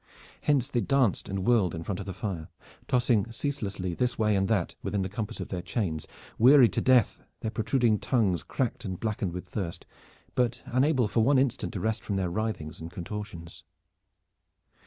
Hence they danced and whirled in front of the fire, tossing ceaselessly this way and that within the compass of their chains, wearied to death, their protruding tongues cracked and blackened with thirst, but unable for one instant to rest from their writhings and contortions.